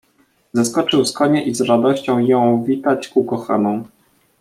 "Zeskoczył z konia i z radością jął witać ukochaną."